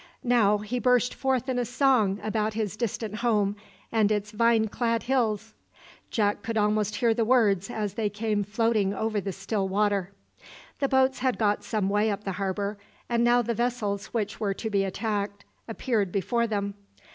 Now he burst forth in a song about his distant home and its vine clad hills. Jack could almost hear the words as they came floating over the still water. The boats had got some way up the harbour, and now the vessels which were to be attacked appeared before them.